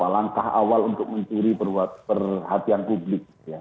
langkah awal untuk mencuri perhatian publik